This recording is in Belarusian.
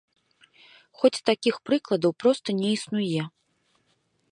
Хоць такіх прыкладаў проста не існуе.